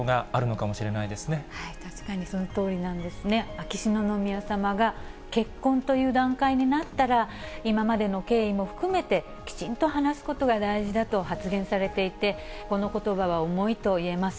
秋篠宮さまが、結婚という段階になったら、今までの経緯も含めて、きちんと話すことが大事だと発言されていて、このことばは重いといえます。